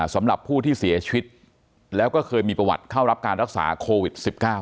สำหรับผู้ที่เสียชีวิตแล้วก็เคยมีประวัติเข้ารับการรักษาโควิด๑๙